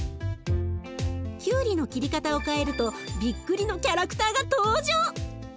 きゅうりの切り方を変えるとびっくりのキャラクターが登場！